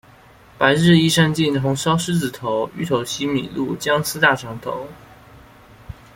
白日依山盡，紅燒獅子頭，芋頭西米露，薑絲大腸頭